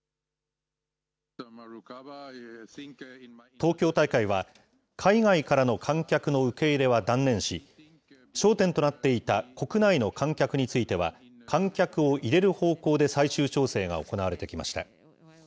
東京大会は、海外からの観客の受け入れは断念し、焦点となっていた国内の観客については、観客を入れる方向で最終調整が行われてきました。